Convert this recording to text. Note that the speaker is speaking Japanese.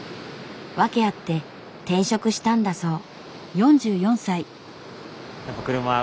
訳あって転職したんだそう。